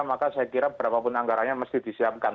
maka saya kira berapapun anggarannya mesti disiapkan